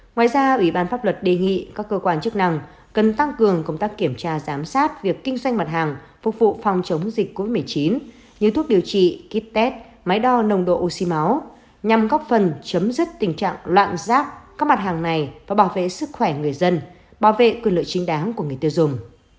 ngoài ra ủy ban pháp luật đề nghị các cơ quan chức năng cần tăng cường công tác kiểm tra giám sát việc kinh doanh mặt hàng phục vụ phòng chống dịch covid một mươi chín như thuốc điều trị kit test máy đo nồng độ oxy máu nhằm góp phần chấm dứt tình trạng loạn rác các mặt hàng này và bảo vệ sức khỏe người dân bảo vệ quyền lợi chính đáng của người tiêu dùng